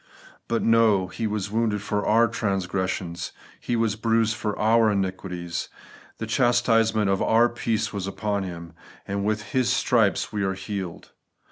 But, no; 'He was wounded for our transgressions, He was bruised for our iniquities ; the chastisement of our peace was upon Him, and with His stripes we are healed.'